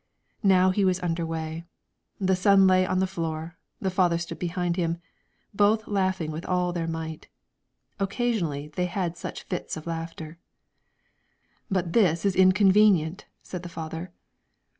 Now he was under way. The son lay on the floor, the father stood beside him, both laughing with all their might. Occasionally they had such fits of laughter. "But this is inconvenient," said the father.